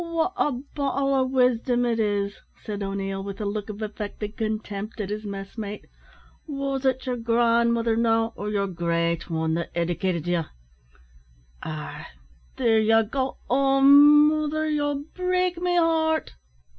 "Wot a bottle o' wisdom it is," said O'Neil, with a look of affected contempt at his messmate. "Wos it yer grandmother, now, or yer great wan, that edicated ye? Arrah, there ye go! Oh, morther, ye'll break me heart!"